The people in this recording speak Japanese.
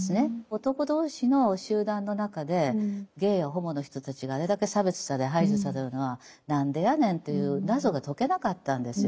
男同士の集団の中でゲイやホモの人たちがあれだけ差別され排除されるのはなんでやねんという謎が解けなかったんですよ。